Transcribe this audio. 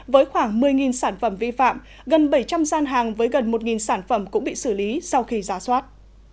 với khoảng một mươi sản phẩm vi phạm gần bảy trăm linh gian hàng với gần một sản phẩm cũng bị xử lý sau khi giả soát